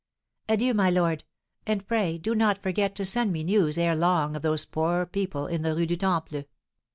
"Adieu, my lord, and pray do not forget to send me news ere long of those poor people in the Rue du Temple."